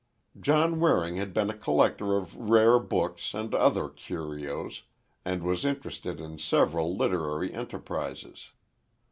John Waring had been a collector of rare books, and other curios, and was interested in several literary enterprises.